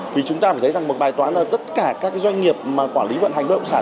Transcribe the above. vì chúng ta phải thấy rằng một bài toán là tất cả các doanh nghiệp mà quản lý vận hành bất động sản